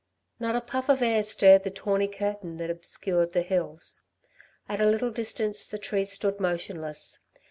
Not a puff of air stirred the tawny curtain that obscured the hills. At a little distance the trees stood motionless.